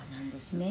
「ねえ。